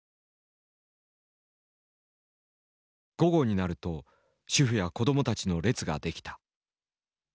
午後になると主婦や子供たちの列ができた。